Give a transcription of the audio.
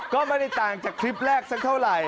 ก็ไม่ได้ต่างจากคลิปแรกสักเท่าไหร่